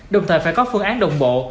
đồng thời phải có phương án đồng bộ